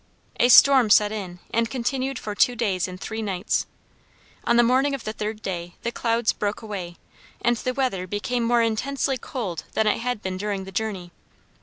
A storm set in, and continued for two days and three nights. On the morning of the third day, the clouds broke away and the weather became more intensely cold than it had been during the journey.